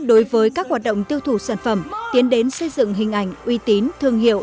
đối với các hoạt động tiêu thụ sản phẩm tiến đến xây dựng hình ảnh uy tín thương hiệu